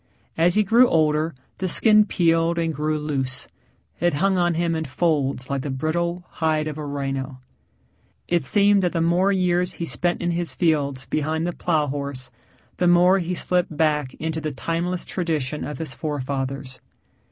As he grew older the skin peeled and grew loose. It hung on him in folds like the brittle hide of a rhino. It seemed that the more years he spent in his fields behind the plow horse, the more he slipped back into the timeless tradition of his forefathers.